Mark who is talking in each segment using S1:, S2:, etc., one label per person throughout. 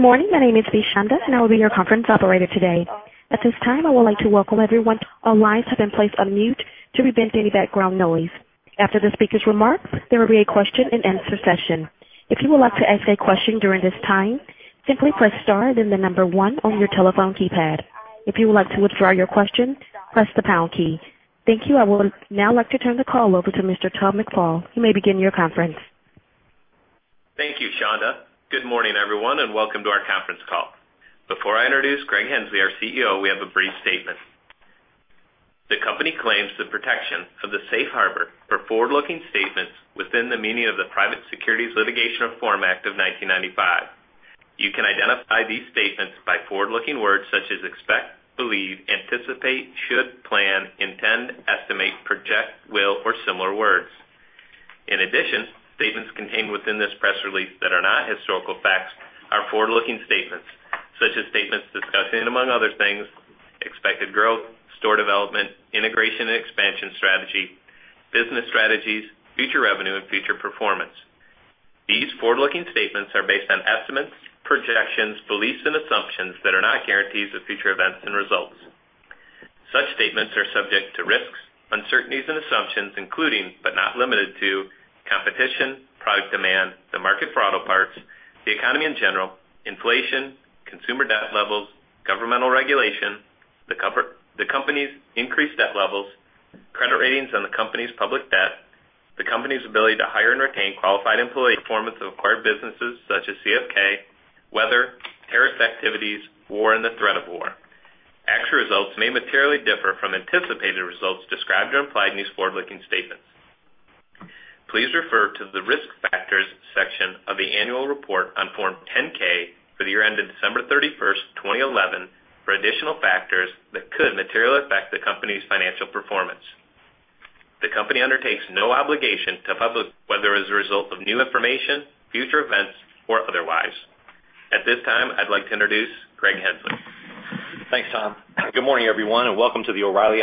S1: Good morning. My name is Lashandra, and I will be your conference operator today. At this time, I would like to welcome everyone. All lines have been placed on mute to prevent any background noise. After the speaker's remarks, there will be a question and answer session. If you would like to ask a question during this time, simply press star and then the number one on your telephone keypad. If you would like to withdraw your question, press the pound key. Thank you. I would now like to turn the call over to Mr. Tom McFall. He may begin your conference.
S2: Thank you, Shanda. Good morning, everyone, and welcome to our conference call. Before I introduce Greg Henslee, our CEO, we have a brief statement. The company claims the protection of the safe harbor for forward-looking statements within the meaning of the Private Securities Litigation Reform Act of 1995. You can identify these statements by forward-looking words such as expect, believe, anticipate, should, plan, intend, estimate, project, will, or similar words. In addition, statements contained within this press release that are not historical facts are forward-looking statements such as statements discussing, among other things, expected growth, store development, integration and expansion strategy, business strategies, future revenue, and future performance. These forward-looking statements are based on estimates, projections, beliefs, and assumptions that are not guarantees of future events and results. Such statements are subject to risks, uncertainties, and assumptions, including but not limited to competition, product demand, the market for auto parts, the economy in general, inflation, consumer debt levels, governmental regulation, the company's increased debt levels, credit ratings on the company's public debt, the company's ability to hire and retain qualified employees, performance of acquired businesses such as CSK, weather, tariff activities, war, and the threat of war. Actual results may materially differ from anticipated results described or implied in these forward-looking statements. Please refer to the risk factors section of the annual report on Form 10-K for the year ended December 31st, 2011, for additional factors that could materially affect the company's financial performance. The company undertakes no obligation to publish whether as a result of new information, future events, or otherwise. At this time, I'd like to introduce Greg Henslee.
S3: Thanks, Tom. Good morning, everyone, and welcome to the O'Reilly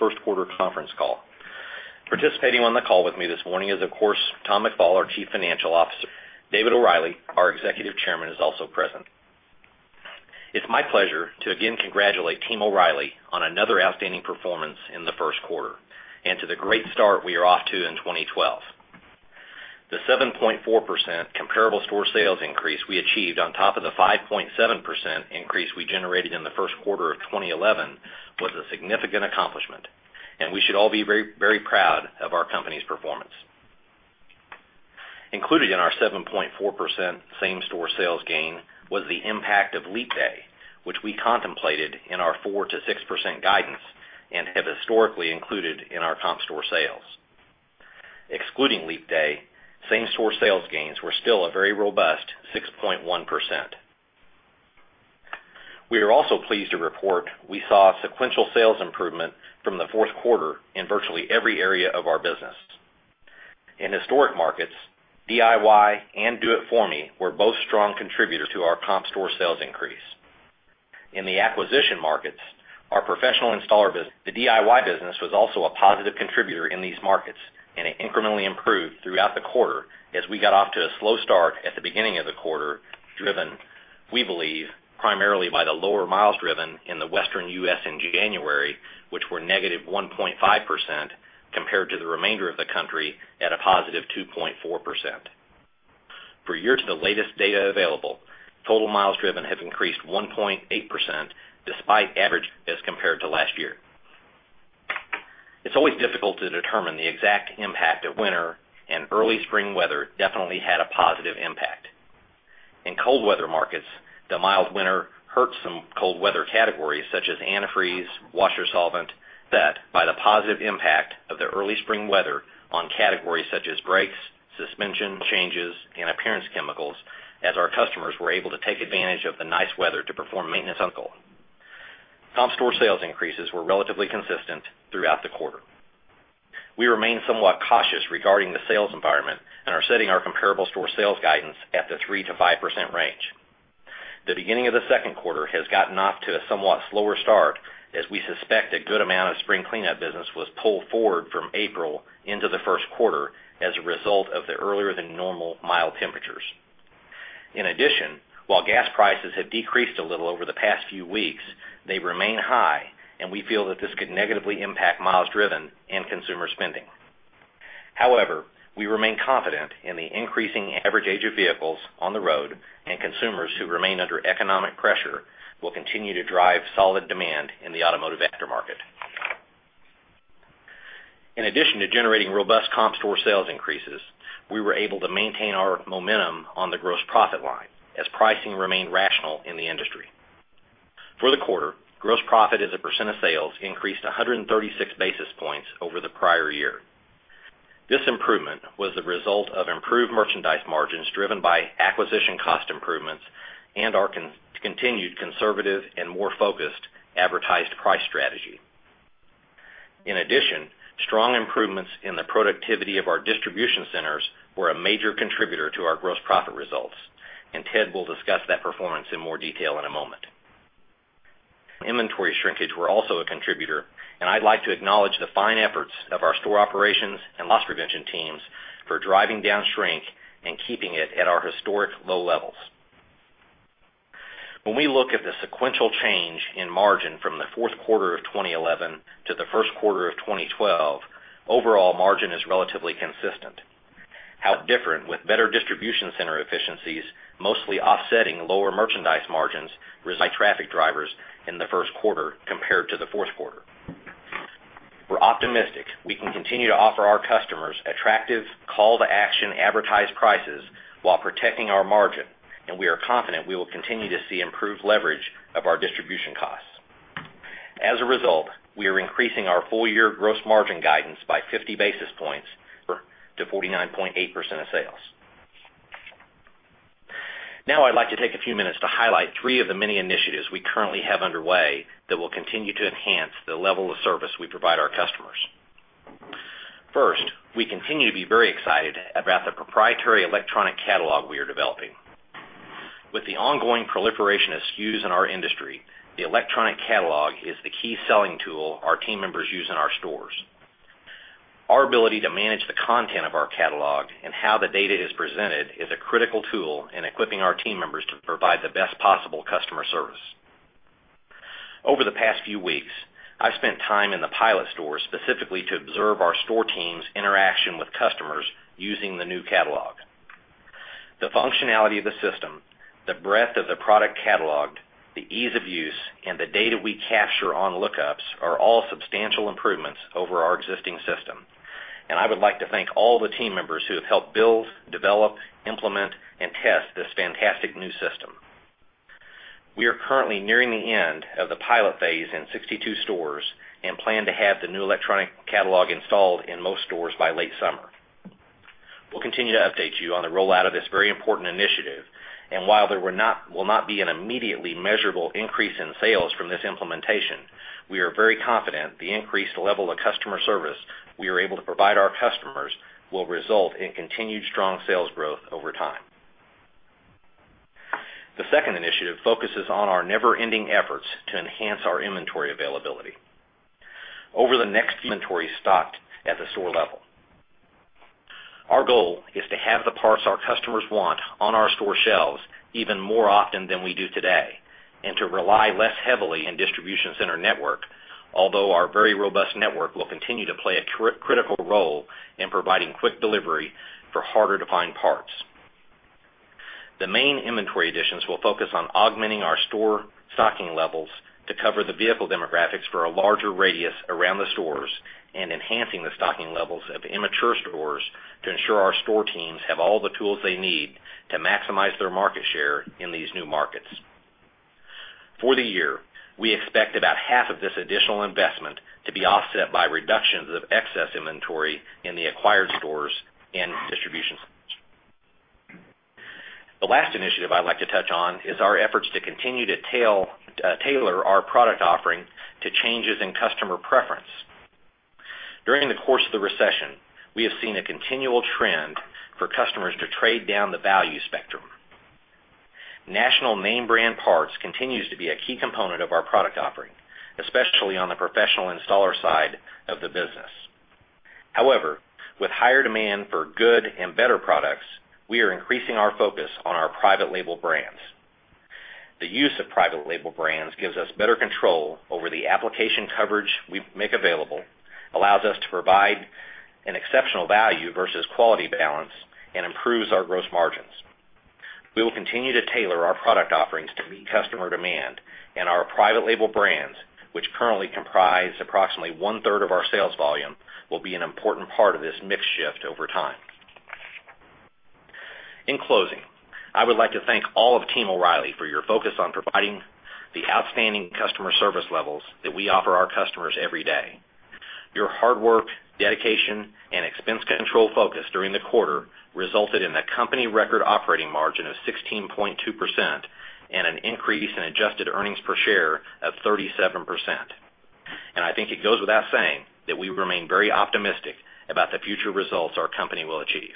S3: first-quarter conference call. Participating on the call with me this morning is, of course, Tom McFall, our Chief Financial Officer. David O'Reilly, our Executive Chairman, is also present. It's my pleasure to again congratulate Team O'Reilly on another outstanding performance in the first quarter and to the great start we are off to in 2012. The 7.4% comparable store sales increase we achieved on top of the 5.7% increase we generated in the first quarter of 2011 was a significant accomplishment, and we should all be very, very proud of our company's performance. Included in our 7.4% same-store sales gain was the impact of Leap Day, which we contemplated in our 4%-6% guidance and have historically included in our comp store sales. Excluding Leap Day, same-store sales gains were still a very robust 6.1%. We are also pleased to report we saw sequential sales improvement from the fourth quarter in virtually every area of our business. In historic markets, DIY and Do It For Me were both strong contributors to our comp store sales increase. In the acquisition markets, our professional installer business, the DIY business, was also a positive contributor in these markets and incrementally improved throughout the quarter as we got off to a slow start at the beginning of the quarter, driven, we believe, primarily by the lower miles driven in the Western U.S. in January, which were -1.5% compared to the remainder of the country at a +2.4%. Per year to the latest data available, total miles driven have increased 1.8% despite average as compared to last year. It's always difficult to determine the exact impact of winter, and early spring weather definitely had a positive impact. In cold weather markets, the mild winter hurt some cold weather categories such as antifreeze, washer solvent, but by the positive impact of the early spring weather on categories such as brakes, suspension changes, and appearance chemicals, as our customers were able to take advantage of the nice weather to perform maintenance on cold. Comp store sales increases were relatively consistent throughout the quarter. We remain somewhat cautious regarding the sales environment and are setting our comparable store sales guidance at the 3%-5% range. The beginning of the second quarter has gotten off to a somewhat slower start as we suspect a good amount of spring cleanup business was pulled forward from April into the first quarter as a result of the earlier-than-normal mild temperatures. In addition, while gas prices have decreased a little over the past few weeks, they remain high, and we feel that this could negatively impact miles driven and consumer spending. However, we remain confident in the increasing average age of vehicles on the road, and consumers who remain under economic pressure will continue to drive solid demand in the automotive aftermarket. In addition to generating robust comparable store sales increases, we were able to maintain our momentum on the gross profit line as pricing remained rational in the industry. For the quarter, gross profit as a percent of sales increased 136 basis points over the prior year. This improvement was the result of improved merchandise margins driven by acquisition cost improvements and our continued conservative and more focused advertised price strategy. In addition, strong improvements in the productivity of our distribution centers were a major contributor to our gross profit results, and Ted will discuss that performance in more detail in a moment. Inventory shrinkage was also a contributor, and I'd like to acknowledge the fine efforts of our store operations and loss prevention teams for driving down shrink and keeping it at our historic low levels. When we look at the sequential change in margin from the fourth quarter of 2011 to the first quarter of 2012, overall margin is relatively consistent, however, different with better distribution center efficiencies, mostly offsetting lower merchandise margins by traffic drivers in the first quarter compared to the fourth quarter. We're optimistic we can continue to offer our customers attractive call-to-action advertised prices while protecting our margin, and we are confident we will continue to see improved leverage of our distribution costs. As a result, we are increasing our full-year gross margin guidance by 50 basis points to 49.8% of sales. Now, I'd like to take a few minutes to highlight three of the many initiatives we currently have underway that will continue to enhance the level of service we provide our customers. First, we continue to be very excited about the proprietary electronic parts catalog we are developing. With the ongoing proliferation of SKUs in our industry, the electronic parts catalog is the key selling tool our team members use in our stores. Our ability to manage the content of our catalog and how the data is presented is a critical tool in equipping our team members to provide the best possible customer service. Over the past few weeks, I've spent time in the pilot stores specifically to observe our store team's interaction with customers using the new catalog. The functionality of the system, the breadth of the product catalog, the ease of use, and the data we capture on lookups are all substantial improvements over our existing system. I would like to thank all the team members who have helped build, develop, implement, and test this fantastic new system. We are currently nearing the end of the pilot phase in 62 stores and plan to have the new electronic parts catalog installed in most stores by late summer. We'll continue to update you on the rollout of this very important initiative, and while there will not be an immediately measurable increase in sales from this implementation, we are very confident the increased level of customer service we are able to provide our customers will result in continued strong sales growth over time. The second initiative focuses on our never-ending efforts to enhance our inventory availability. Over the next few, inventory stocked at the store level. Our goal is to have the parts our customers want on our store shelves even more often than we do today and to rely less heavily on our distribution center network, although our very robust network will continue to play a critical role in providing quick delivery for harder-to-find parts. The main inventory additions will focus on augmenting our store stocking levels to cover the vehicle demographics for a larger radius around the stores and enhancing the stocking levels of immature stores to ensure our store teams have all the tools they need to maximize their market share in these new markets. For the year, we expect about half of this additional investment to be offset by reductions of excess inventory in the acquired stores and distribution centers. The last initiative I'd like to touch on is our efforts to continue to tailor our product offering to changes in customer preference. During the course of the recession, we have seen a continual trend for customers to trade down the value spectrum. National name brand parts continue to be a key component of our product offering, especially on the professional installer side of the business. However, with higher demand for good and better products, we are increasing our focus on our private label brands. The use of private label brands gives us better control over the application coverage we make available, allows us to provide an exceptional value versus quality balance, and improves our gross margins. We will continue to tailor our product offerings to meet customer demand, and our private label brands, which currently comprise approximately one-third of our sales volume, will be an important part of this mix shift over time. In closing, I would like to thank all of Team O'Reilly for your focus on providing the outstanding customer service levels that we offer our customers every day. Your hard work, dedication, and expense control focus during the quarter resulted in the company record operating margin of 16.2% and an increase in adjusted earnings per share of 37%. I think it goes without saying that we remain very optimistic about the future results our company will achieve.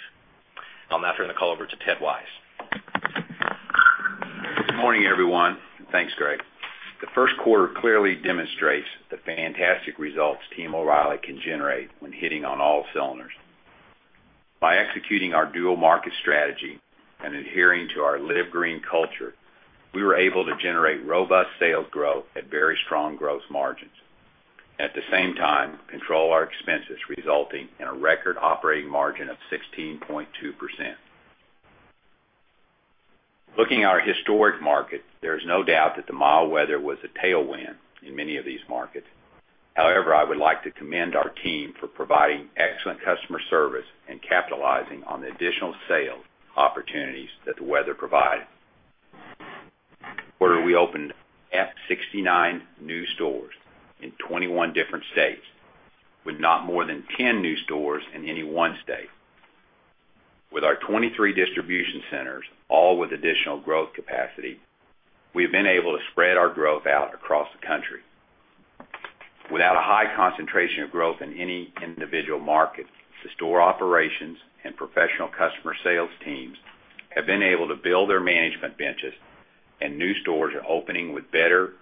S3: I'll now turn the call over to Ted Wise.
S4: Morning, everyone. Thanks, Greg. The first quarter clearly demonstrates the fantastic results Team O'Reilly can generate when hitting on all cylinders. By executing our dual market strategy and adhering to our Live Green culture, we were able to generate robust sales growth at very strong gross margins. At the same time, control our expenses resulting in a record operating margin of 16.2%. Looking at our historic markets, there is no doubt that the mild weather was a tailwind in many of these markets. However, I would like to commend our team for providing excellent customer service and capitalizing on the additional sales opportunities that the weather provided. We opened 69 new stores in 21 different states with not more than 10 new stores in any one state. With our 23 distribution centers, all with additional growth capacity, we've been able to spread our growth out across the country. Without a high concentration of growth in any individual market, the store operations and professional customer sales teams have been able to build their management benches, and new stores are opening with better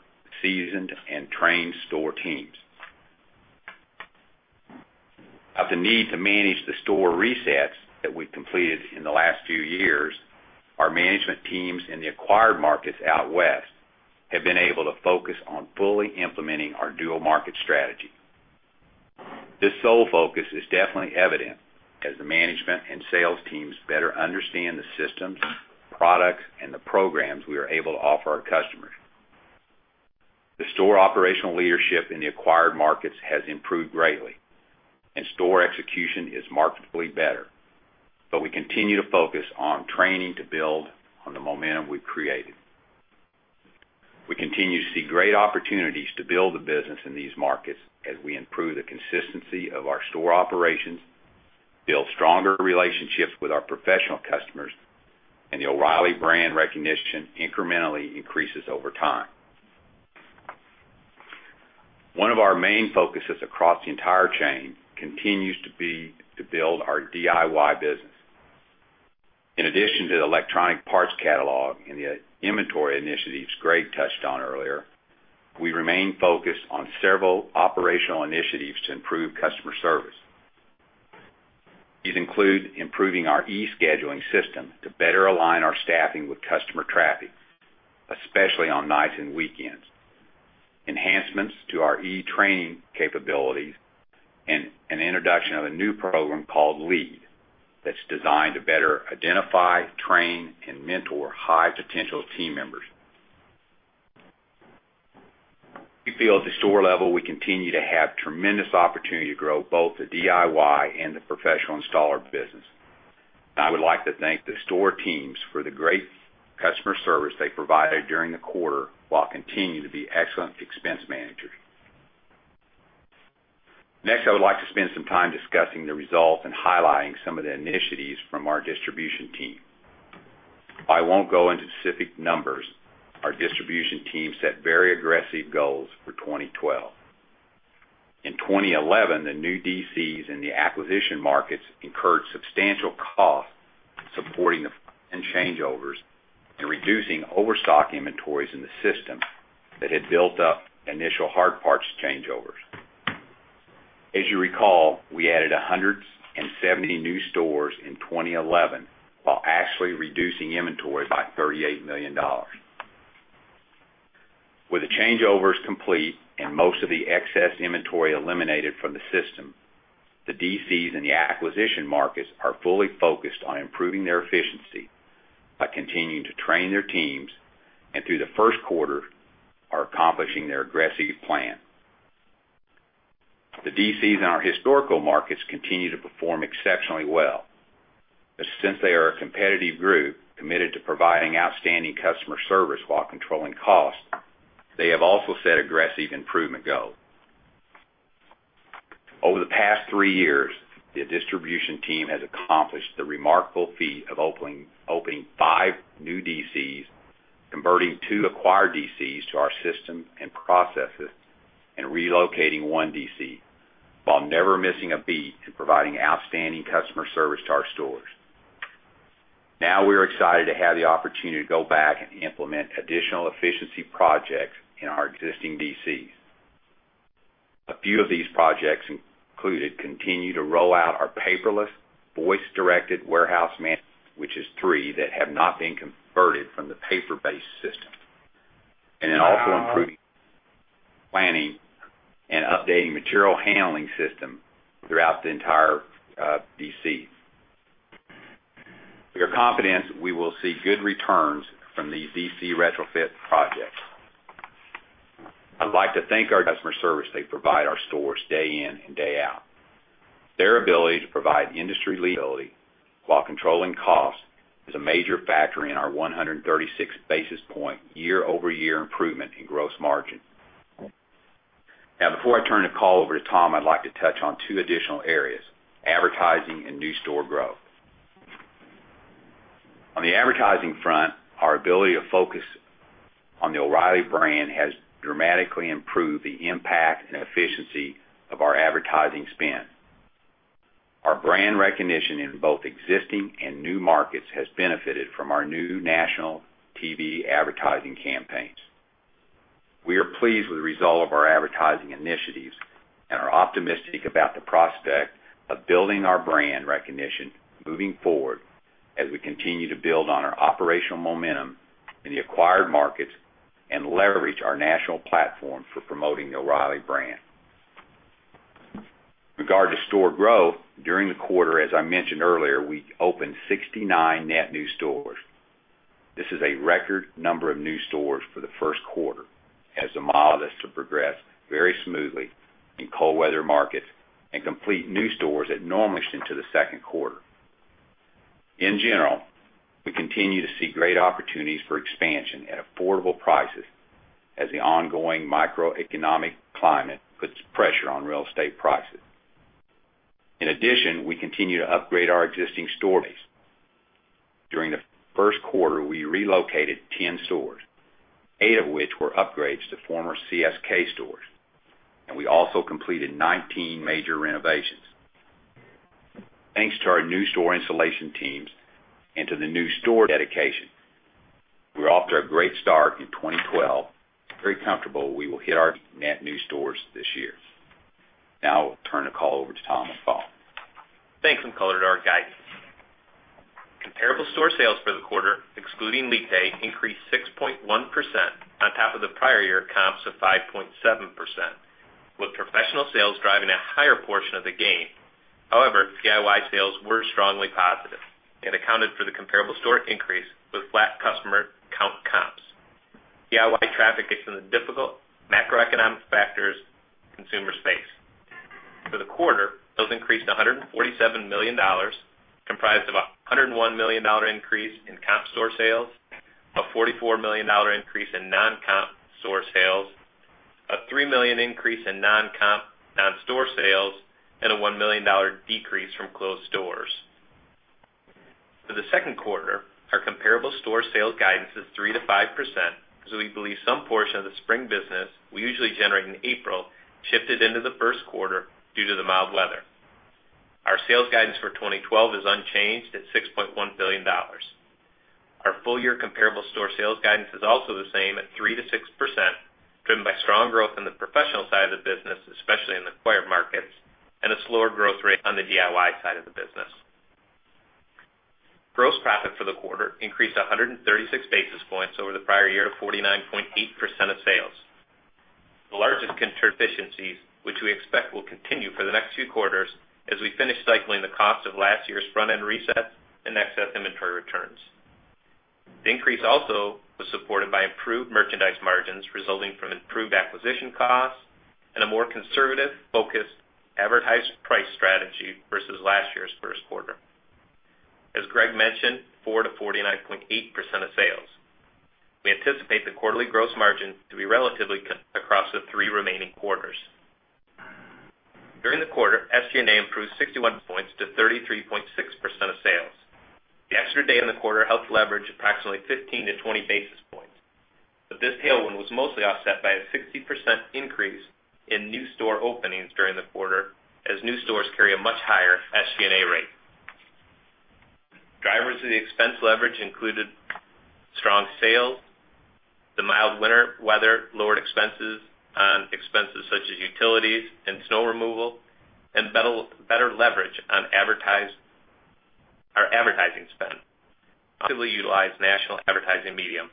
S4: seasoned and trained store teams. Of the need to manage the store resets that we've completed in the last few years, our management teams in the acquired markets out west have been able to focus on fully implementing our dual market strategy. This sole focus is definitely evident as the management and sales teams better understand the systems, products, and the programs we are able to offer our customers. The store operational leadership in the acquired markets has improved greatly, and store execution is markedly better, but we continue to focus on training to build on the momentum we've created. We continue to see great opportunities to build the business in these markets as we improve the consistency of our store operations, build stronger relationships with our professional customers, and the O'Reilly brand recognition incrementally increases over time. One of our main focuses across the entire chain continues to be to build our DIY business. In addition to the electronic parts catalog and the inventory initiatives Greg touched on earlier, we remain focused on several operational initiatives to improve customer service. These include improving our e-scheduling system to better align our staffing with customer traffic, especially on nights and weekends, enhancements to our e-training capabilities, and an introduction of a new program called LEAD that's designed to better identify, train, and mentor high-potential team members. We feel at the store level we continue to have tremendous opportunity to grow both the DIY and the professional installer business. I would like to thank the store teams for the great customer service they provided during the quarter while continuing to be excellent expense managers. Next, I would like to spend some time discussing the results and highlighting some of the initiatives from our distribution team. I won't go into specific numbers. Our distribution team set very aggressive goals for 2012. In 2011, the new DCs in the acquisition markets incurred substantial costs supporting the changeovers and reducing overstock inventories in the systems that had built up initial hard parts changeovers. As you recall, we added 170 new stores in 2011 while actually reducing inventory by $38 million. With the changeovers complete and most of the excess inventory eliminated from the system, the DCs in the acquisition markets are fully focused on improving their efficiency by continuing to train their teams, and through the first quarter, are accomplishing their aggressive plan. The DCs in our historical markets continue to perform exceptionally well, but since they are a competitive group committed to providing outstanding customer service while controlling cost, they have also set aggressive improvement goals. Over the past three years, the distribution team has accomplished the remarkable feat of opening five new DCs, converting two acquired DCs to our system and processes, and relocating one DC while never missing a beat in providing outstanding customer service to our stores. Now we're excited to have the opportunity to go back and implement additional efficiency projects in our existing DCs. A few of these projects included continuing to roll out our paperless voice-directed warehouse management, which is three that have not been converted from the paper-based systems, and then also improving planning and updating material handling system throughout the entire DC. We are confident we will see good returns from the DC retrofit project. I'd like to thank our customer service they provide our stores day in and day out. Their ability to provide industry-leading quality while controlling cost is a major factor in our 136 basis point year-over-year improvement in gross margins. Now, before I turn the call over to Tom, I'd like to touch on two additional areas: advertising and new store growth. On the advertising front, our ability to focus on the O'Reilly brand has dramatically improved the impact and efficiency of our advertising spend. Our brand recognition in both existing and new markets has benefited from our new national TV advertising campaigns. We are pleased with the result of our advertising initiatives and are optimistic about the prospect of building our brand recognition moving forward as we continue to build on our operational momentum in the acquired markets and leverage our national platform for promoting the O'Reilly brand. Regarding store growth, during the quarter, as I mentioned earlier, we opened 69 net new stores. This is a record number of new stores for the first quarter as a model to progress very smoothly in cold weather markets and complete new stores that normally stick to the second quarter. In general, we continue to see great opportunities for expansion at affordable prices as the ongoing microeconomic climate puts pressure on real estate prices. In addition, we continue to upgrade our existing store base. During the first quarter, we relocated 10 stores, eight of which were upgrades to former CSK stores, and we also completed 19 major renovations. Thanks to our new store installation teams and to the new store dedication, we're off to a great start in 2012, very comfortable we will hit our net new stores this year. Now, I will turn the call over to Tom McFall.
S2: Thanks, and call it our guide. Comparable store sales for the quarter, excluding Leap Day, increased 6.1% on top of the prior year comps of 5.7%, with professional sales driving a higher portion of the gain. However, DIY sales were strongly positive and accounted for the comparable store increase with flat customer count comps. DIY traffic gets in the difficult macroeconomic factors consumer space. For the quarter, those increased $147 million, comprised of a $101 million increase in comp store sales, a $44 million increase in non-comp store sales, a $3 million increase in non-comp non-store sales, and a $1 million decrease from closed stores. For the second quarter, our comparable store sales guidance is 3%-5%, so we believe some portion of the spring business we usually generate in April shifted into the first quarter due to the mild weather. Our sales guidance for 2012 is unchanged at $6.1 billion. Our full-year comparable store sales guidance is also the same at 3%-6%, driven by strong growth in the professional side of the business, especially in the acquired markets, and a slower growth rate on the DIY side of the business. Gross profit for the quarter increased 136 basis points over the prior year to 49.8% of sales. The largest contributions, which we expect will continue for the next few quarters, as we finish cycling the costs of last year's front-end resets and excess inventory returns. The increase also was supported by improved merchandise margins resulting from improved acquisition costs and a more conservative focused advertising price strategy versus last year's first quarter. As Greg mentioned, 4 to 49.8% of sales. We anticipate the quarterly gross margins to be relatively cut across the three remaining quarters. During the quarter, SG&A improved 61 basis points to 33.6% of sales. The extra day in the quarter helped leverage approximately 15-20 basis points. This tailwind was mostly offset by a 60% increase in new store openings during the quarter, as new stores carry a much higher SG&A rate. Drivers of the expense leverage included strong sales, the mild winter weather lowered expenses on expenses such as utilities and snow removal, and better leverage on our advertising spend. We utilized national advertising medium.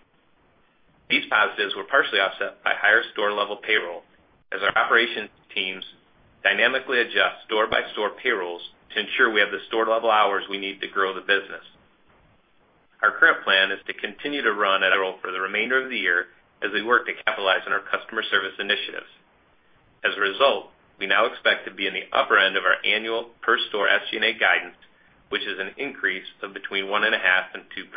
S2: These positives were partially offset by higher store-level payroll, as our operations teams dynamically adjust store-by-store payrolls to ensure we have the store-level hours we need to grow the business. Our current plan is to continue to run at a roll for the remainder of the year as we work to capitalize on our customer service initiatives. As a result, we now expect to be in the upper end of our annual per-store SG&A guidance, which is an increase of between 1.5% and 2%.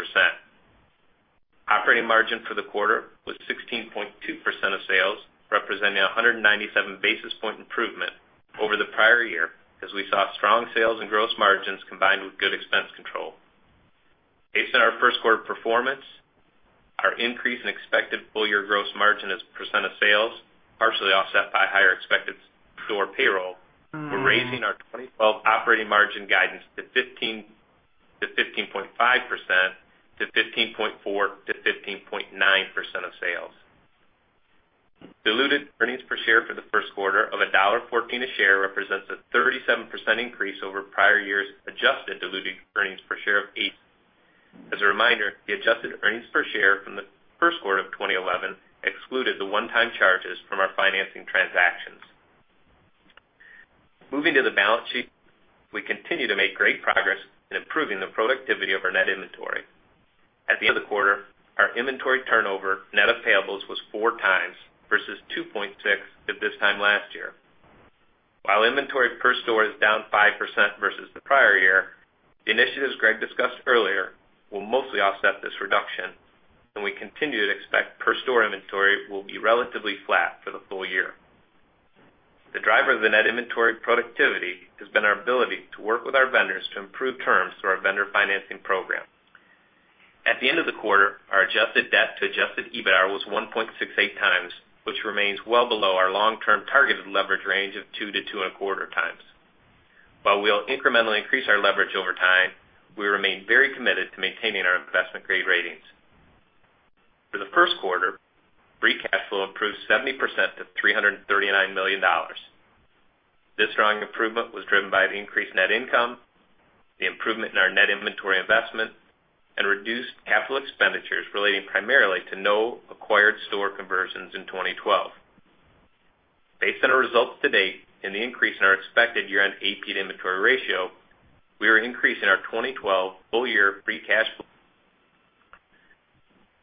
S2: Operating margin for the quarter was 16.2% of sales, representing a 197 basis point improvement over the prior year, as we saw strong sales and gross margins combined with good expense control. Based on our first quarter performance, our increase in expected full-year gross margin as a percent of sales, partially offset by higher expected store payroll, we're raising our 2012 operating margin guidance from 15%-15.5% to 15.4%-15.9% of sales. Diluted earnings per share for the first quarter of $1.14 a share represents a 37% increase over prior year's adjusted diluted earnings per share of $0.83. As a reminder, the adjusted earnings per share from the first quarter of 2011 excluded the one-time charges from our financing transactions. Moving to the balance sheet, we continue to make great progress in improving the productivity of our net inventory. At the end of the quarter, our inventory turnover net of payables was 4x versus 2.6x at this time last year. While inventory per store is down 5% versus the prior year, the initiatives Greg discussed earlier will mostly offset this reduction, and we continue to expect per-store inventory will be relatively flat for the full year. The driver of the net inventory productivity has been our ability to work with our vendors to improve terms through our vendor financing program. At the end of the quarter, our adjusted debt to adjusted EBITDA was 1.68x, which remains well below our long-term targeted leverage range of 2x-2.25x. While we'll incrementally increase our leverage over time, we remain very committed to maintaining our investment-grade ratings. For the first quarter, free cash flow improved 70% to $339 million. This strong improvement was driven by an increased net income, the improvement in our net inventory investment, and reduced capital expenditures relating primarily to no acquired store conversions in 2012. Based on our results today and the increase in our expected year-end AP inventory ratio, we are increasing our 2012 full-year free cash flow.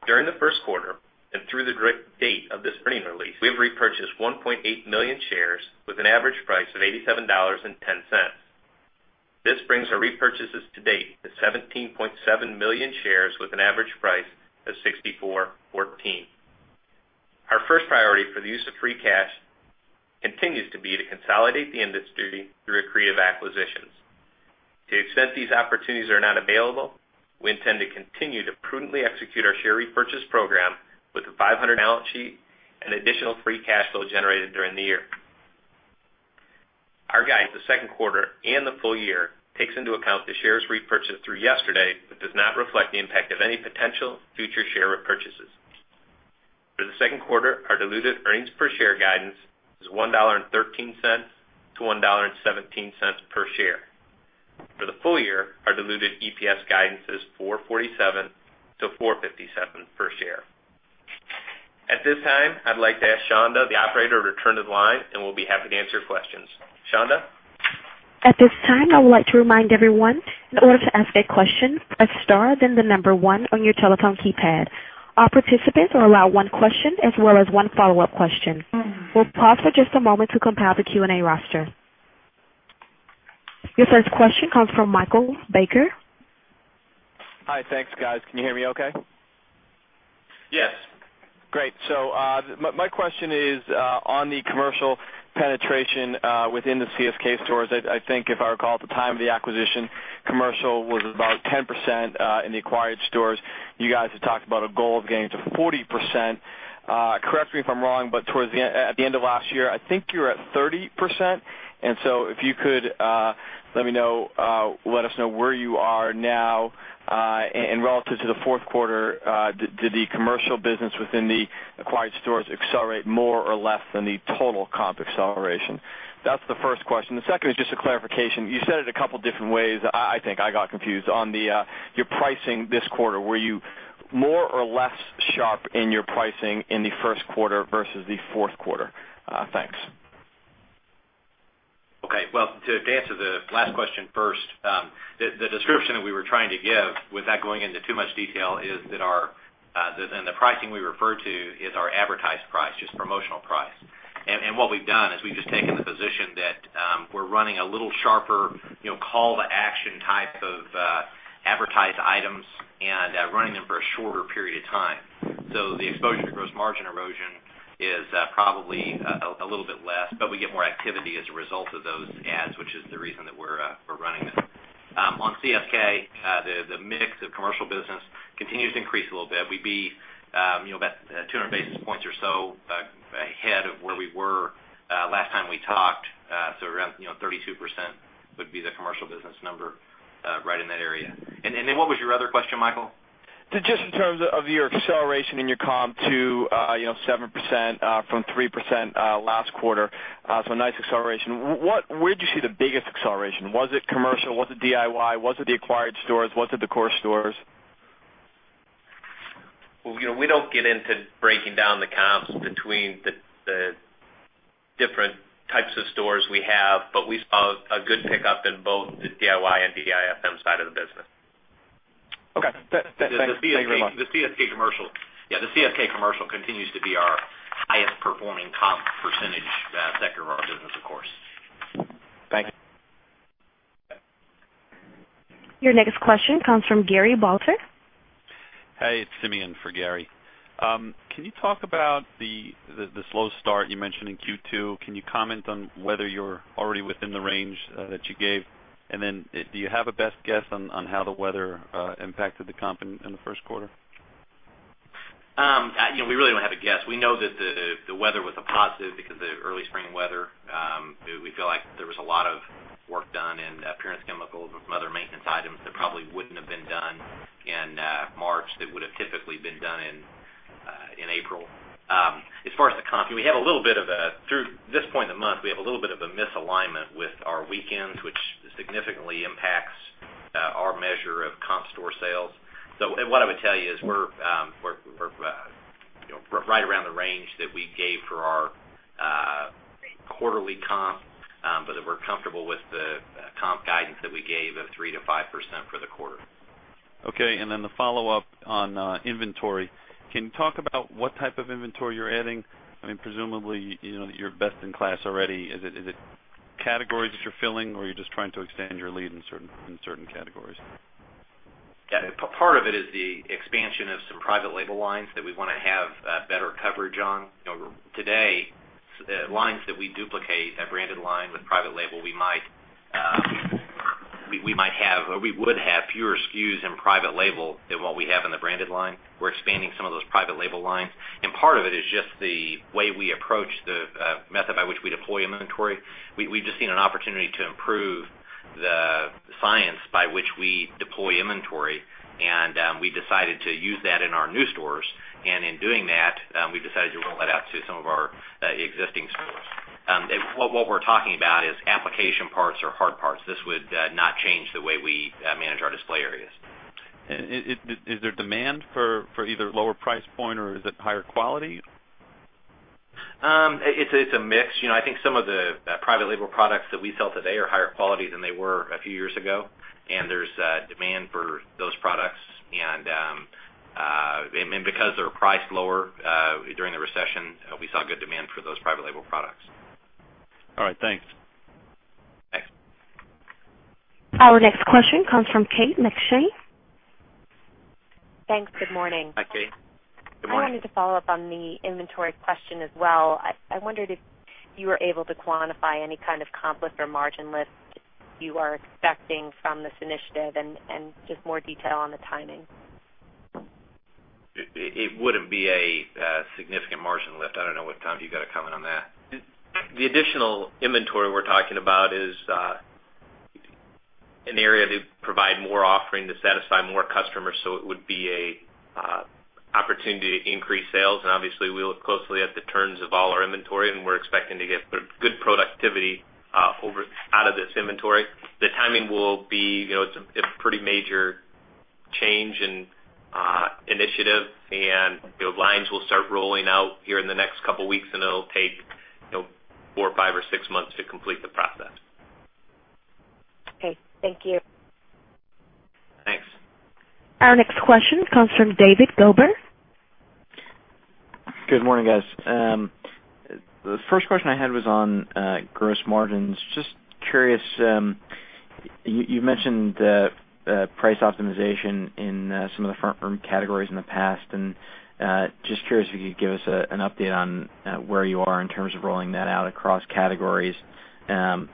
S2: During the first quarter and through the date of this printing release, we have repurchased 1.8 million shares with an average price of $87.10. This brings our repurchases to date to 17.7 million shares with an average price of $64.14. Our first priority for the use of free cash continues to be to consolidate the industry through accretive acquisitions. To the extent these opportunities are not available, we intend to continue to prudently execute our share repurchase program with a $500 million sheet and additional free cash flow generated during the year. Our guidance for the second quarter and the full year takes into account the shares repurchased through yesterday, but does not reflect the impact of any potential future share repurchases. For the second quarter, our diluted earnings per share guidance is $1.13-$1.17 per share. For the full year, our diluted EPS guidance is $4.47-$4.57 per share. At this time, I'd like to ask Shanda, the operator, to return to the line, and we'll be happy to answer your questions. Shanda?
S1: At this time, I would like to remind everyone, in order to ask a question, press star then the number one on your telephone keypad. All participants are allowed one question as well as one follow-up question. We'll pause for just a moment to compile the Q&A roster. Your first question comes from Michael Baker.
S5: Hi, thanks, guys. Can you hear me okay?
S3: Yes.
S5: Great. My question is on the commercial penetration within the CSK stores. I think if I recall, at the time of the acquisition, commercial was about 10% in the acquired stores. You guys have talked about a goal of getting to 40%. Correct me if I'm wrong, but towards the end of last year, I think you were at 30%. If you could let me know, let us know where you are now. Relative to the fourth quarter, did the commercial business within the acquired stores accelerate more or less than the total comp acceleration? That's the first question. The second is just a clarification. You said it a couple of different ways. I think I got confused. On your pricing this quarter, were you more or less sharp in your pricing in the first quarter versus the fourth quarter? Thanks.
S3: To answer the last question first, the description that we were trying to give without going into too much detail is that the pricing we refer to is our advertised price, just promotional price. What we've done is we've just taken the position that we're running a little sharper, you know, call-to-action type of advertised items and running them for a shorter period of time. The exposure to gross margin erosion is probably a little bit less, but we get more activity as a result of those ads, which is the reason that we're running them. On CSK, the mix of commercial business continues to increase a little bit. We'd be about 200 basis points or so ahead of where we were last time we talked. Around 32% would be the commercial business number right in that area. What was your other question, Michael?
S5: Just in terms of your acceleration in your comp to 7% from 3% last quarter, a nice acceleration. Where did you see the biggest acceleration? Was it commercial? Was it DIY? Was it the acquired stores? Was it the core stores?
S3: We don't get into breaking down the comps between the different types of stores we have, but we saw a good pickup in both the DIY and DIFM side of the business.
S5: Okay.
S3: The CSK commercial continues to be our highest performing comp percentage sector of our business, of course.
S5: Thanks.
S1: Your next question comes from Gary Balter. Hey, it's Simeon for Gary. Can you talk about the slow start you mentioned in Q2? Can you comment on whether you're already within the range that you gave? Do you have a best guess on how the weather impacted the company in the first quarter?
S3: You know, we really don't have a guess. We know that the weather was a positive because of the early spring weather. We feel like there was a lot of work done in appearance chemicals and some other maintenance items that probably wouldn't have been done in March that would have typically been done in April. As far as the comp, we have a little bit of a, through this point in the month, we have a little bit of a misalignment with our weekends, which significantly impacts our measure of comparable store sales. What I would tell you is we're right around the range that we gave for our quarterly comp, but that we're comfortable with the comp guidance that we gave of 3%-5% for the quarter. Okay. The follow-up on inventory, can you talk about what type of inventory you're adding? I mean, presumably, you know, you're best in class already. Is it categories that you're filling, or are you just trying to expand your lead in certain categories? Yeah. Part of it is the expansion of some private label lines that we want to have better coverage on. You know, today, lines that we duplicate, a branded line with private label, we might have or we would have fewer SKUs in private label than what we have in the branded line. We're expanding some of those private label lines. Part of it is just the way we approach the method by which we deploy inventory. We've just seen an opportunity to improve the science by which we deploy inventory, and we decided to use that in our new stores. In doing that, we've decided to roll that out to some of our existing stores. What we're talking about is application parts or hard parts. This would not change the way we manage our display areas. Is there demand for either lower price point, or is it higher quality? It's a mix. I think some of the private label products that we sell today are higher quality than they were a few years ago, and there's demand for those products. Because they were priced lower during the recession, we saw good demand for those private label products. All right, thanks. Thanks.
S1: Our next question comes from Kate McShane.
S6: Thanks. Good morning.
S3: Hi, Kate.
S6: Good morning. I wanted to follow up on the inventory question as well. I wondered if you were able to quantify any kind of complex or margin lift you are expecting from this initiative, and just more detail on the timing.
S3: It wouldn't be a significant margin lift. I don't know what time you got to come in on that. The additional inventory we're talking about is an area to provide more offering to satisfy more customers. It would be an opportunity to increase sales. Obviously, we look closely at the turns of all our inventory, and we're expecting to get good productivity out of this inventory. The timing will be, you know, it's a pretty major change in initiative, and the lines will start rolling out here in the next couple of weeks, and it'll take four or five or six months to complete the process.
S6: Okay. Thank you.
S3: Thanks.
S1: Our next question comes from David Gober.
S7: Good morning, guys. The first question I had was on gross margins. Just curious, you mentioned price optimization in some of the front room categories in the past, and just curious if you could give us an update on where you are in terms of rolling that out across categories. The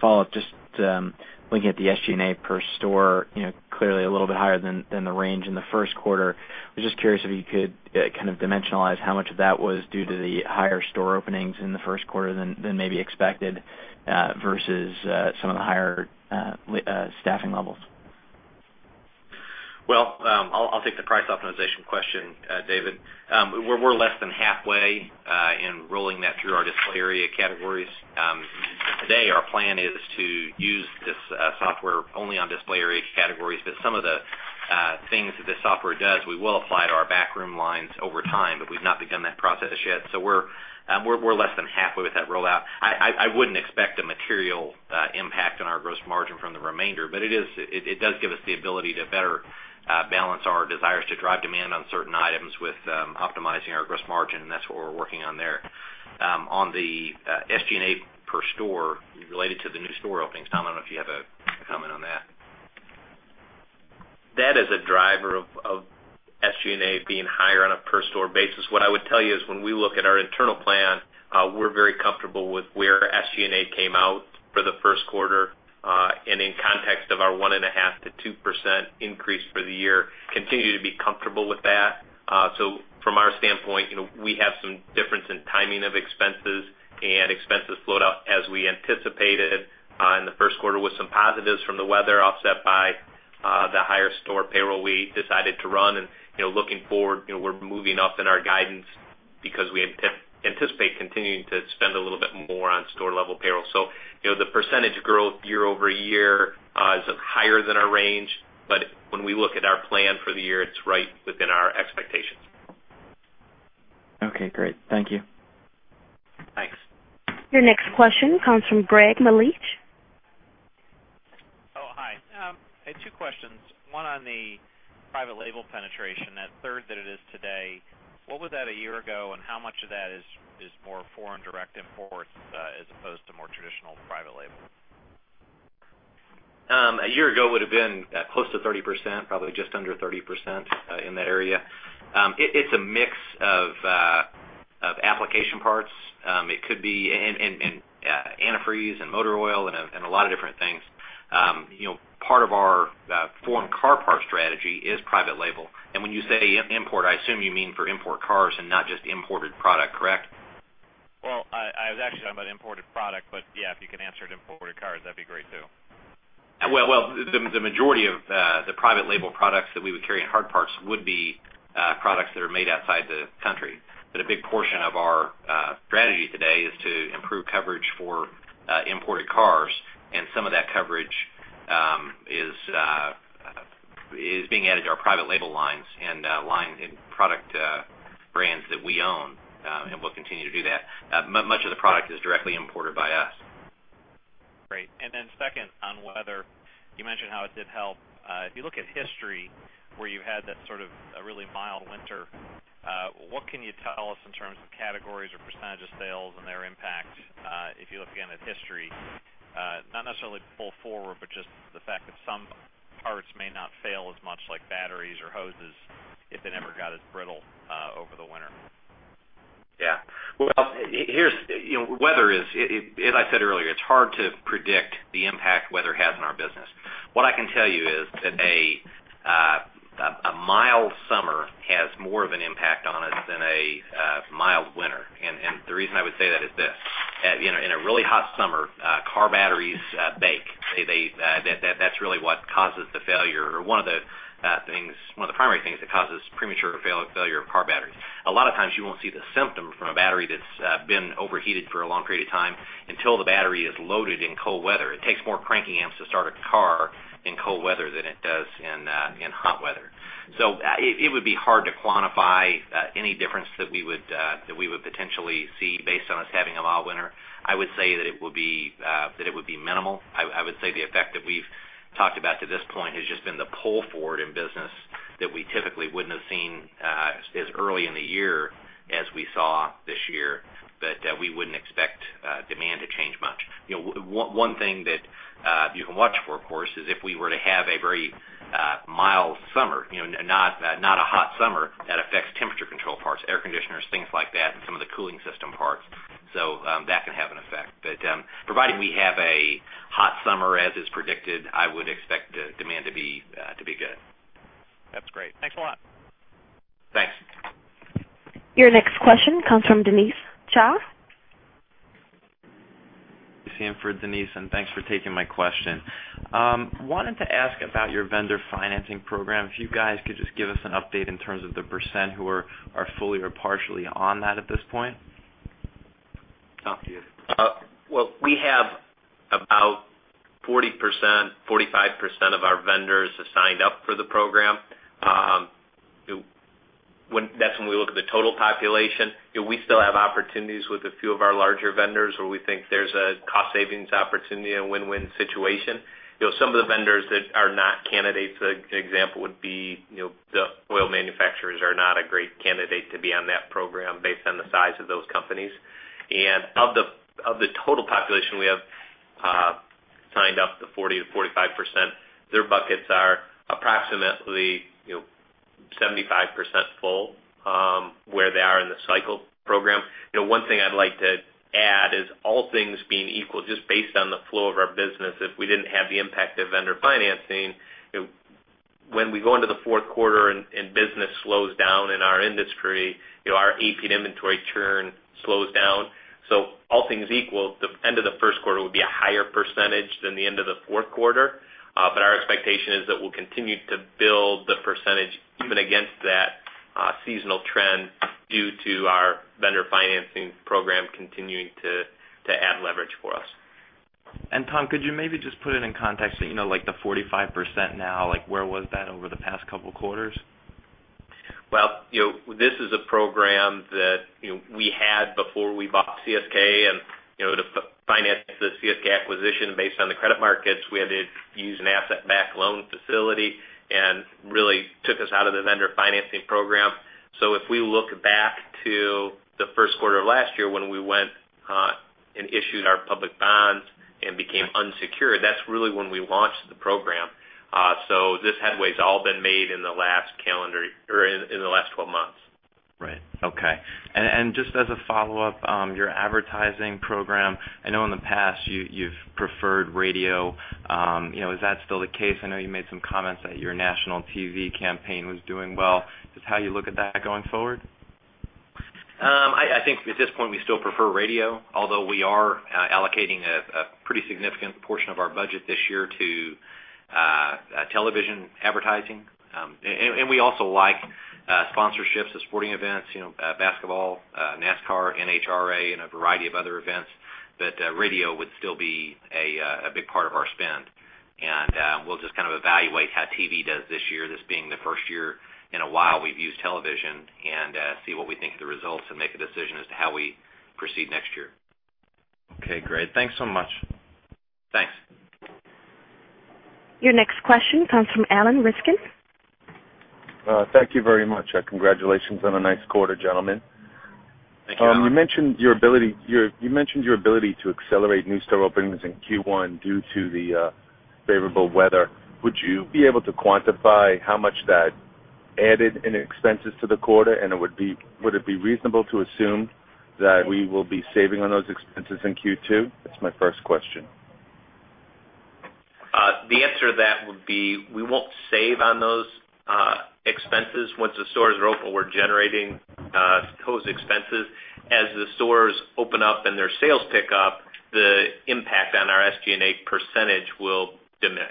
S7: follow-up, just looking at the SG&A per store, you know, clearly a little bit higher than the range in the first quarter. I was just curious if you could kind of dimensionalize how much of that was due to the higher store openings in the first quarter than maybe expected versus some of the higher staffing levels.
S3: I'll take the price optimization question, David. We're less than halfway in rolling that through our display area categories. Today, our plan is to use this software only on display area categories, but some of the things that this software does, we will apply to our backroom lines over time, but we've not begun that process yet. We're less than halfway with that rollout. I wouldn't expect a material impact on our gross margin from the remainder, but it does give us the ability to better balance our desires to drive demand on certain items with optimizing our gross margin, and that's what we're working on there. On the SG&A per store related to the new store openings, Tom, I don't know if you have a comment on that.
S2: That is a driver of SG&A being higher on a per-store basis. What I would tell you is when we look at our internal plan, we're very comfortable with where SG&A came out for the first quarter, and in context of our 1.5% to 2% increase for the year, continue to be comfortable with that. From our standpoint, we have some difference in timing of expenses, and expenses flowed out as we anticipated in the first quarter with some positives from the weather offset by the higher store payroll we decided to run. Looking forward, we're moving up in our guidance because we anticipate continuing to spend a little bit more on store-level payroll. The percentage growth year-over-year is higher than our range, but when we look at our plan for the year, it's right within our expectations.
S7: Okay. Great. Thank you.
S3: Thanks.
S1: Your next question comes from Greg Melich.
S8: Hi. I had two questions. One on the private label penetration, that third that it is today. What was that a year ago, and how much of that is more foreign direct imports as opposed to more traditional private label?
S3: A year ago would have been close to 30%, probably just under 30% in that area. It's a mix of application parts. It could be antifreeze and motor oil and a lot of different things. Part of our foreign car part strategy is private label. When you say import, I assume you mean for import cars and not just imported product, correct?
S8: I was actually talking about imported product, but yeah, if you can answer it, imported cars, that'd be great too.
S3: The majority of the private label products that we would carry in hard parts would be products that are made outside the country. A big portion of our strategy today is to improve coverage for imported cars, and some of that coverage is being added to our private label lines and product brands that we own, and we'll continue to do that. Much of the product is directly imported by us.
S8: Great. Second, on weather, you mentioned how it did help. If you look at history where you've had that sort of really mild winter, what can you tell us in terms of categories or percent of sales and their impacts if you look again at history, not necessarily pull forward, but just the fact that some parts may not fail as much like batteries or hoses if they never got as brittle over the winter?
S3: Yeah. Here's, you know, weather is, as I said earlier, it's hard to predict the impact weather has on our business. What I can tell you is that a mild summer has more of an impact on it than a mild winter. The reason I would say that is this. In a really hot summer, car batteries bake. That's really what causes the failure or one of the things, one of the primary things that causes premature failure of car batteries. A lot of times, you won't see the symptom from a battery that's been overheated for a long period of time until the battery is loaded in cold weather. It takes more cranking amps to start a car in cold weather than it does in hot weather. It would be hard to quantify any difference that we would potentially see based on us having a mild winter. I would say that it would be minimal. I would say the effect that we've talked about to this point has just been the pull forward in business that we typically wouldn't have seen as early in the year as we saw this year, but we wouldn't expect demand to change much. One thing that you can watch for, of course, is if we were to have a very mild summer, you know, not a hot summer that affects temperature control parts, air conditioners, things like that, and some of the cooling system parts. That can have an effect. Providing we have a hot summer as is predicted, I would expect demand to be good.
S8: That's great. Thanks a lot.
S3: Thanks.
S1: Your next question comes from [Denise Cha]. This is Sam for Denise, and thanks for taking my question. I wanted to ask about your vendor financing program. If you guys could just give us an update in terms of the percent who are fully or partially on that at this point.
S2: We have about 40%-45% of our vendors signed up for the program. That's when we look at the total population. We still have opportunities with a few of our larger vendors where we think there's a cost-savings opportunity, a win-win situation. Some of the vendors that are not candidates, an example would be, you know, the oil manufacturers are not a great candidate to be on that program based on the size of those companies. Of the total population we have signed up, the 40%-45%, their buckets are approximately 75% full where they are in the cycle program. One thing I'd like to add is all things being equal, just based on the flow of our business. If we didn't have the impact of vendor financing, when we go into the fourth quarter and business slows down in our industry, our AP inventory churn slows down. All things equal, the end of the first quarter would be a higher percentage than the end of the fourth quarter. Our expectation is that we'll continue to build the percentage even against that seasonal trend due to our vendor financing program continuing to add leverage for us. Tom, could you maybe just put it in context that, you know, like the 45% now, like where was that over the past couple of quarters? This is a program that we had before we bought CSK, and to finance the CSK acquisition based on the credit markets, we had to use an asset-backed loan facility, which really took us out of the vendor financing program. If we look back to the first quarter of last year when we went and issued our public bonds and became unsecured, that's really when we launched the program. This headway has all been made in the last calendar or in the last 12 months. Right. Okay. Just as a follow-up, your advertising program, I know in the past you've preferred radio. Is that still the case? I know you made some comments that your national TV campaign was doing well. Is that how you look at that going forward?
S3: I think at this point we still prefer radio, although we are allocating a pretty significant portion of our budget this year to television advertising. We also like sponsorships of sporting events, you know, basketball, NASCAR, NHRA, and a variety of other events. Radio would still be a big part of our spend. We'll just kind of evaluate how TV does this year, this being the first year in a while we've used television, and see what we think of the results and make a decision as to how we proceed next year. Okay. Great. Thanks so much. Thanks.
S1: Your next question comes from Alan Rifkin.
S9: Thank you very much. Congratulations on a nice quarter, gentlemen.
S3: Thank you.
S9: You mentioned your ability to accelerate new store openings in Q1 due to the favorable weather. Would you be able to quantify how much that added in expenses to the quarter, and would it be reasonable to assume that we will be saving on those expenses in Q2? That's my first question.
S2: The answer to that would be we won't save on those expenses. Once the stores are open, we're generating closed expenses. As the stores open up and their sales pick up, the impact on our SG&A percentage will diminish.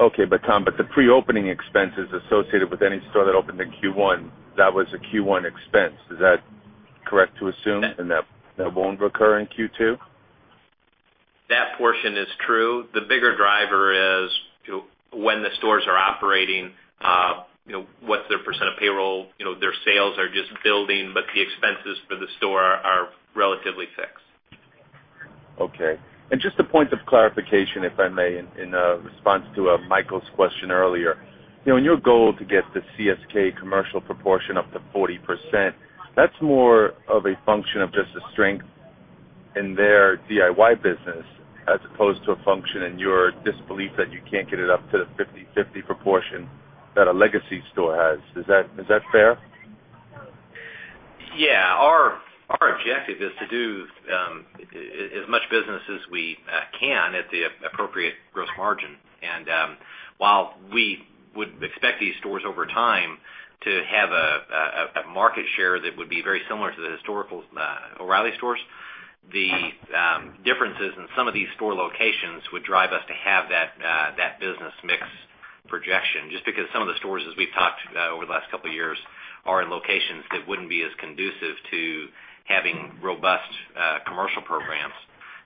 S9: Okay. Tom, the pre-opening expenses associated with any store that opened in Q1, that was a Q1 expense. Is that correct to assume? That won't recur in Q2?
S2: That portion is true. The bigger driver is, you know, when the stores are operating, you know, what's their percent of payroll? You know, their sales are just building, but the expenses for the store are relatively fixed.
S9: Okay. Just a point of clarification, if I may, in response to Michael's question earlier. In your goal to get the CSK commercial proportion up to 40%, that's more of a function of just a strength in their DIY business as opposed to a function in your disbelief that you can't get it up to the 50/50 proportion that a legacy store has. Is that fair?
S3: Yeah. Our objective is to do as much business as we can at the appropriate gross margin. While we would expect these stores over time to have a market share that would be very similar to the historical O'Reilly stores, the differences in some of these store locations would drive us to have that business mix projection. Just because some of the stores, as we've talked over the last couple of years, are in locations that wouldn't be as conducive to having robust commercial programs,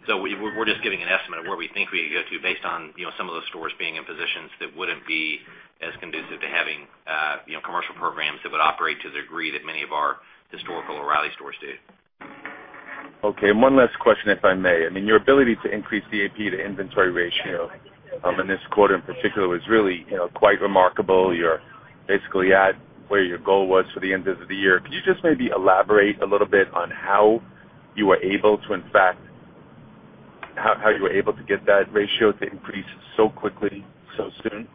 S3: we're just giving an estimate of where we think we could go to based on some of those stores being in positions that wouldn't be as conducive to having commercial programs that would operate to the degree that many of our historical O'Reilly stores do.
S9: Okay. One last question, if I may. Your ability to increase the AP to inventory ratio in this quarter in particular was really quite remarkable. You're basically at where your goal was for the end of the year. Could you maybe elaborate a little bit on how you were able to get that ratio to increase so quickly, so soon,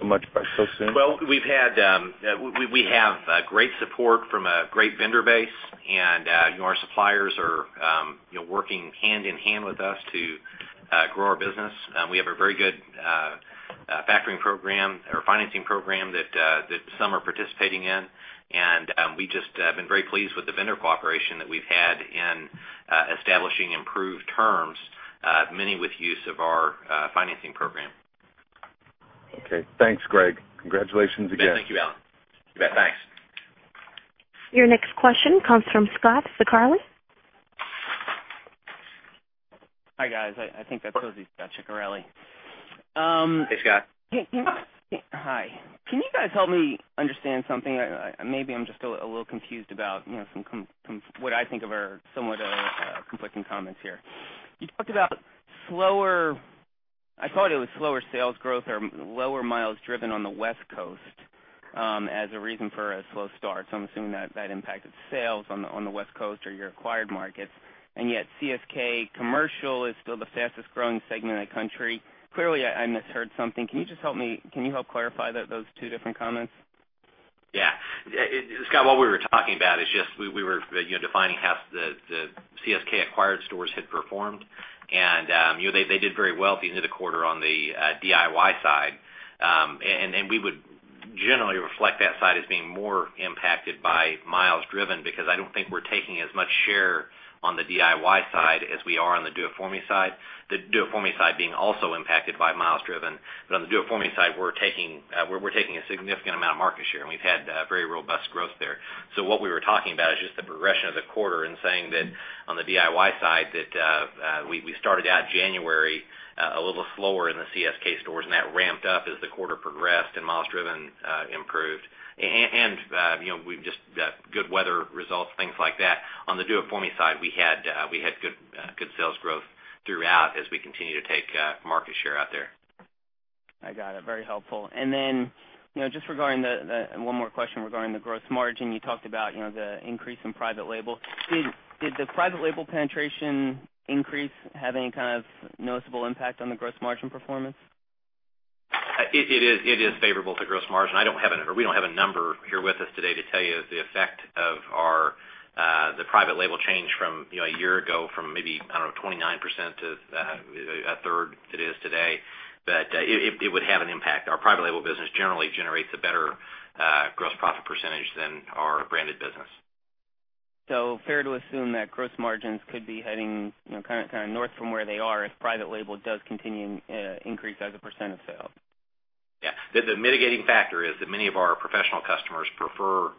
S9: so much by so soon?
S3: We have great support from a great vendor base, and our suppliers are working hand in hand with us to grow our business. We have a very good vendor financing program that some are participating in, and we've just been very pleased with the vendor cooperation that we've had in establishing improved terms, many with use of our financing program.
S9: Okay, thanks, Greg. Congratulations again.
S3: Yeah, thank you, Alan. You bet, thanks.
S1: Your next question comes from Scot Ciccarelli.
S10: Hi, guys. I think that's supposed to be Scot Ciccarelli.
S3: Hey, Scott.
S10: Hi. Can you guys help me understand something? Maybe I'm just a little confused about, you know, what I think of are somewhat conflicting comments here. You talked about slower, I thought it was slower sales growth or lower miles driven on the West Coast as a reason for a slow start. I'm assuming that impacted sales on the West Coast or your acquired markets. Yet CSK commercial is still the fastest growing segment in the country. Clearly, I misheard something. Can you just help me? Can you help clarify those two different comments?
S3: Yeah. Scot, what we were talking about is just we were defining how the CSK acquired stores had performed, and you know they did very well at the end of the quarter on the DIY side. We would generally reflect that side as being more impacted by miles driven because I don't think we're taking as much share on the DIY side as we are on the dual market side. The dual market side is also impacted by miles driven, but on the dual market side, we're taking a significant amount of market share, and we've had very robust growth there. What we were talking about is just the progression of the quarter and saying that on the DIY side we started out in January a little slower in the CSK stores, and that ramped up as the quarter progressed and miles driven improved. We've just got good weather results, things like that. On the dual market side, we had good sales growth throughout as we continue to take market share out there.
S10: I got it. Very helpful. Just regarding one more question regarding the gross margin, you talked about the increase in private label. Did the private label penetration increase have any kind of noticeable impact on the gross margin performance?
S3: It is favorable to gross margin. I don't have a number here with us today to tell you the effect of the private label change from a year ago from maybe, I don't know, 29% to a third it is today. It would have an impact. Our private label business generally generates a better gross profit percentage than our branded business.
S10: it fair to assume that gross margins could be heading kind of north from where they are if private label does continue to increase as a percent of sales?
S3: The mitigating factor is that many of our professional customers prefer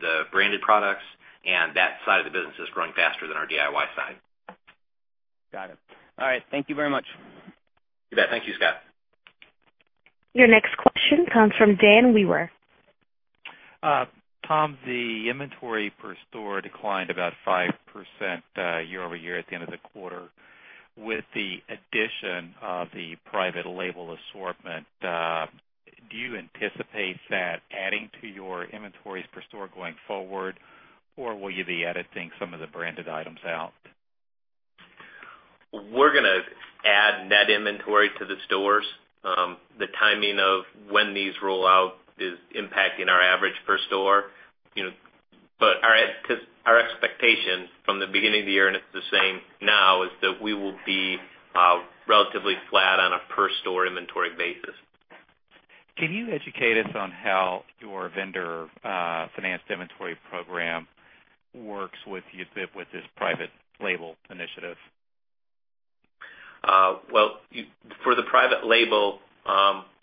S3: the branded products, and that side of the business is growing faster than our DIY side.
S10: Got it. All right. Thank you very much.
S3: You bet. Thank you, Scot.
S1: Your next question comes from Dan Wewer.
S11: Tom, the inventory per store declined about 5% year-over-year at the end of the quarter. With the addition of the private label assortment, do you anticipate that adding to your inventories per store going forward, or will you be editing some of the branded items out?
S3: We're going to add net inventory to the stores. The timing of when these roll out is impacting our average per store. Our expectation from the beginning of the year, and it's the same now, is that we will be relatively flat on a per-store inventory basis.
S11: Can you educate us on how your vendor financing program works with you with this private label initiative?
S3: For the private label,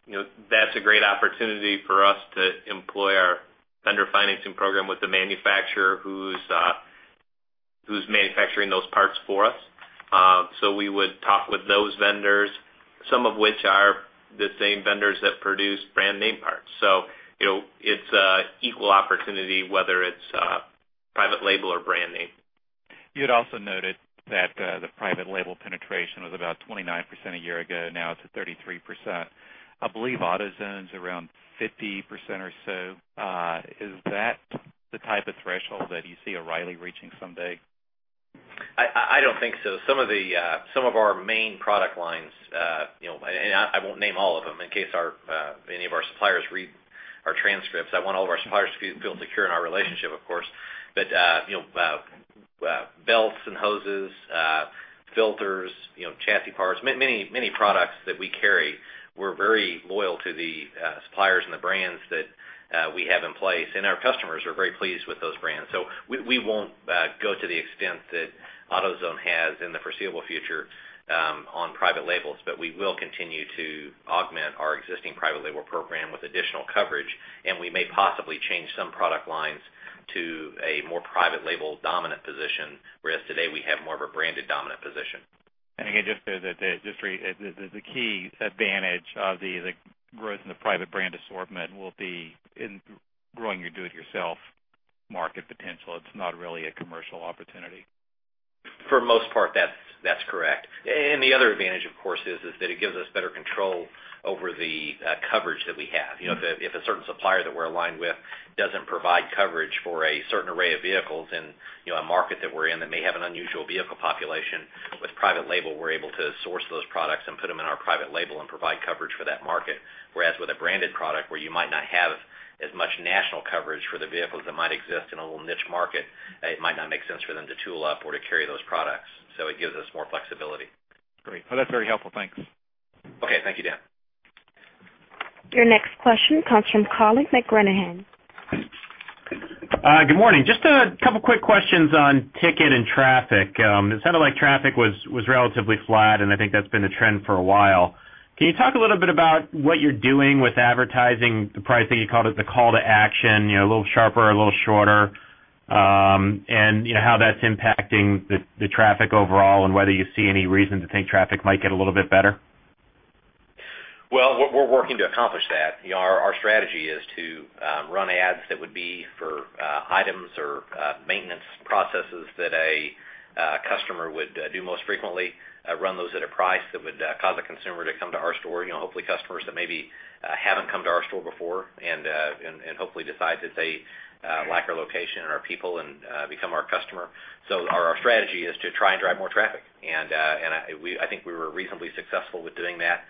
S3: you know, that's a great opportunity for us to employ our vendor financing program with the manufacturer who's manufacturing those parts for us. We would talk with those vendors, some of which are the same vendors that produce brand name parts. You know, it's an equal opportunity whether it's private label or brand name.
S11: You had also noted that the private label penetration was about 29% a year ago. Now it's at 33%. I believe AutoZone's around 50% or so. Is that the type of threshold that you see O'Reilly reaching someday?
S3: I don't think so. Some of our main product lines, you know, and I won't name all of them in case any of our suppliers read our transcripts. I want all of our suppliers to feel secure in our relationship, of course. You know, belts and hoses, filters, chassis parts, many, many products that we carry, we're very loyal to the suppliers and the brands that we have in place. Our customers are very pleased with those brands. We won't go to the extent that AutoZone has in the foreseeable future on private label products, but we will continue to augment our existing private label program with additional coverage. We may possibly change some product lines to a more private label dominant position, whereas today we have more of a branded dominant position.
S11: The key advantage of the growth in the private label assortment will be in growing your do-it-yourself market potential. It's not really a commercial opportunity.
S3: For the most part, that's correct. The other advantage, of course, is that it gives us better control over the coverage that we have. If a certain supplier that we're aligned with doesn't provide coverage for a certain array of vehicles in a market that we're in that may have an unusual vehicle population, with private label, we're able to source those products and put them in our private label and provide coverage for that market. Whereas with a branded product where you might not have as much national coverage for the vehicles that might exist in a little niche market, it might not make sense for them to tool up or to carry those products. It gives us more flexibility.
S11: Great. Oh, that's very helpful. Thanks.
S3: Okay. Thank you, Dan.
S1: Your next question comes from Colin McGranahan.
S12: Good morning. Just a couple of quick questions on ticket and traffic. It sounded like traffic was relatively flat, and I think that's been the trend for a while. Can you talk a little bit about what you're doing with advertising, the pricing, you called it the call to action, you know, a little sharper, a little shorter, and you know how that's impacting the traffic overall and whether you see any reason to think traffic might get a little bit better?
S4: Our strategy is to run ads that would be for items or maintenance processes that a customer would do most frequently, run those at a price that would cause a consumer to come to our store, hopefully customers that maybe haven't come to our store before and hopefully decide that they like our location and our people and become our customer. Our strategy is to try and drive more traffic. I think we were reasonably successful with doing that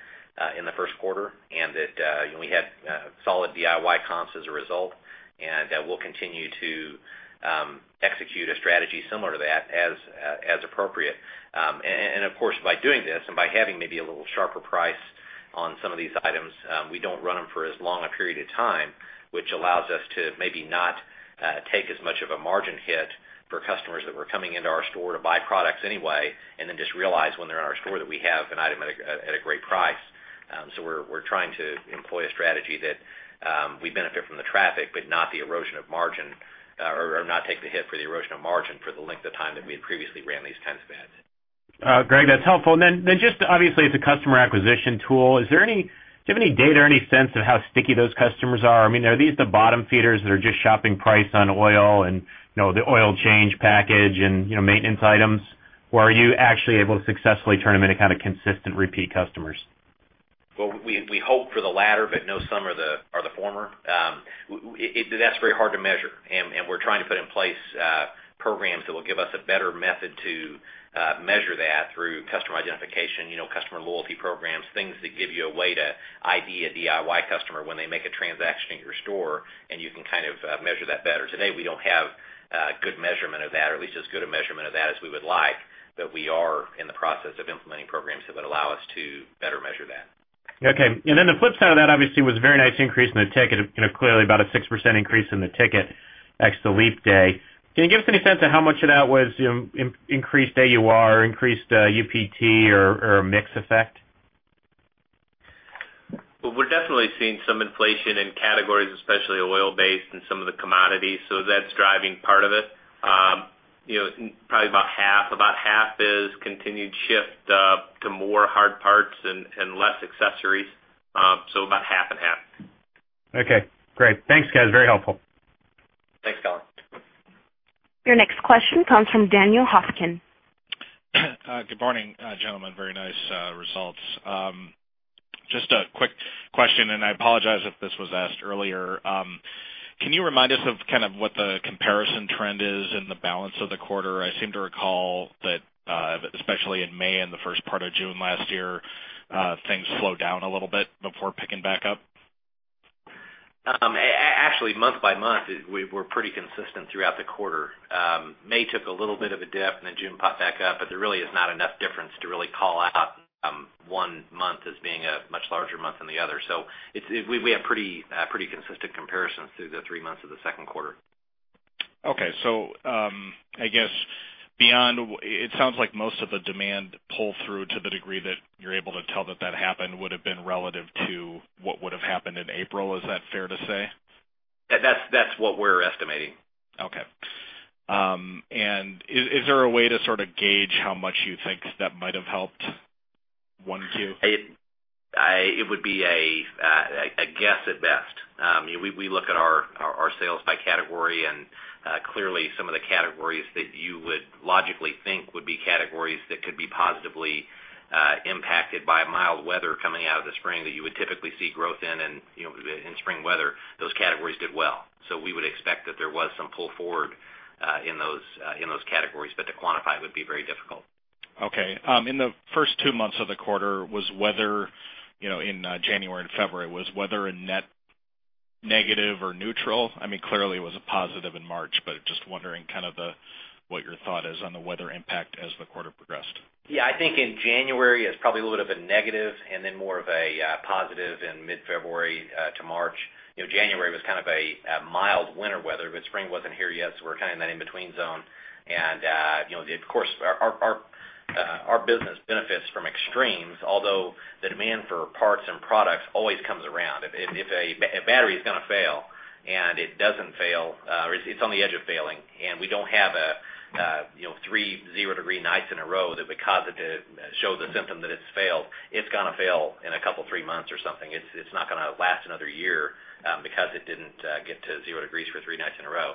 S4: in the first quarter and that we had solid DIY comps as a result. We will continue to execute a strategy similar to that as appropriate. Of course, by doing this and by having maybe a little sharper price on some of these items, we don't run them for as long a period of time, which allows us to maybe not take as much of a margin hit for customers that were coming into our store to buy products anyway and then just realize when they're in our store that we have an item at a great price. We're trying to employ a strategy that we benefit from the traffic but not the erosion of margin or not take the hit for the erosion of margin for the length of time that we had previously ran these kinds of ads.
S12: Greg, that's helpful. Obviously, it's a customer acquisition tool. Do you have any data or any sense of how sticky those customers are? I mean, are these the bottom feeders that are just shopping price on oil and the oil change package and maintenance items, or are you actually able to successfully turn them into kind of consistent repeat customers?
S4: Some are the former. That's very hard to measure. We're trying to put in place programs that will give us a better method to measure that through customer identification, customer loyalty programs, things that give you a way to ID a DIY customer when they make a transaction at your store, and you can kind of measure that better. Today, we don't have a good measurement of that, or at least as good a measurement of that as we would like, but we are in the process of implementing programs that would allow us to better measure that.
S12: Okay. The flip side of that, obviously, was a very nice increase in the ticket, clearly about a 6% increase in the ticket except Leap Day. Can you give us any sense of how much of that was increased AUR, increased UPT, or a mix effect?
S3: We're definitely seeing some inflation in categories, especially oil-based and some of the commodities. That's driving part of it. You know, probably about half, about half is continued shift to more hard parts and less accessories, so about half and half.
S12: Okay. Great. Thanks, guys. Very helpful.
S3: Thanks, Colin.
S1: Your next question comes from Daniel Hofkin.
S13: Good morning, gentlemen. Very nice results. Just a quick question, and I apologize if this was asked earlier. Can you remind us of kind of what the comparison trend is in the balance of the quarter? I seem to recall that especially in May and the first part of June last year, things slowed down a little bit before picking back up.
S3: Actually, month by month, we were pretty consistent throughout the quarter. May took a little bit of a dip, and then June popped back up, but there really is not enough difference to really call out one month as being a much larger month than the other. We have pretty consistent comparisons through the three months of the second quarter.
S13: Okay. I guess, beyond it sounds like most of the demand pull-through to the degree that you're able to tell that that happened would have been relative to what would have happened in April. Is that fair to say?
S3: That's what we're estimating.
S13: Okay. Is there a way to sort of gauge how much you think that might have helped 1Q?
S3: It would be a guess at best. We look at our sales by category, and clearly, some of the categories that you would logically think would be categories that could be positively impacted by mild weather coming out of the spring that you would typically see growth in, and in spring weather, those categories did well. We would expect that there was some pull forward in those categories, but to quantify it would be very difficult.
S13: Okay. In the first two months of the quarter, was weather, you know, in January and February, was weather a net negative or neutral? I mean, clearly, it was a positive in March, just wondering kind of what your thought is on the weather impact as the quarter progressed.
S3: Yeah. I think in January is probably a little bit of a negative, and then more of a positive in mid-February to March. January was kind of a mild winter weather, but spring wasn't here yet, so we're kind of in that in-between zone. Our business benefits from extremes, although the demand for parts and products always comes around. If a battery is going to fail and it doesn't fail, or it's on the edge of failing, and we don't have, you know, three zero-degree nights in a row that would cause it to show the symptom that it's failed, it's going to fail in a couple of three months or something. It's not going to last another year because it didn't get to zero degrees for three nights in a row.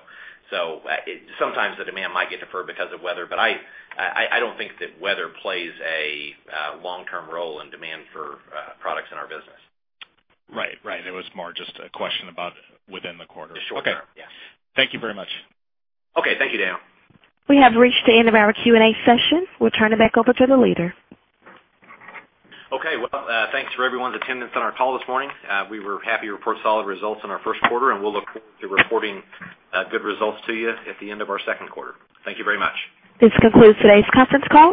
S3: Sometimes the demand might get deferred because of weather, but I don't think that weather plays a long-term role in demand for products in our business.
S13: Right. It was more just a question about within the quarter.
S3: Sure. Yeah.
S13: Okay, thank you very much.
S3: Okay, thank you, Dan.
S1: We have reached the end of our Q&A session. We'll turn it back over to the leader.
S3: Thank you for everyone's attendance on our call this morning. We were happy to report solid results in our first quarter, and we'll look forward to reporting good results to you at the end of our second quarter. Thank you very much.
S1: This concludes today's conference call.